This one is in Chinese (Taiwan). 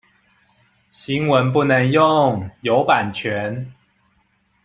新聞不能用，有版權